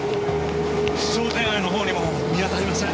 商店街の方にも見当たりません。